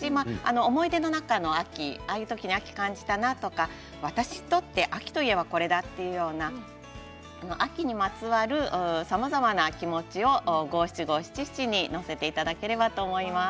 思い出の中の秋でもいいですし私にとって秋といえばこれだというような秋にまつわるさまざまな気持ちを五七五七七にのせていただければと思います。